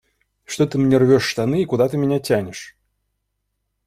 Что ты мне рвешь штаны и куда ты меня тянешь?